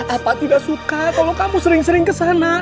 apaan tidak suka kalau kamu sering sering ke sana